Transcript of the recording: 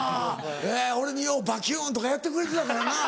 俺にようバキュンとかやってくれてたからな。